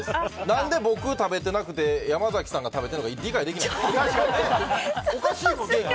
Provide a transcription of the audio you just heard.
何で僕食べてなくて山崎さんが食べてるのか理解できない。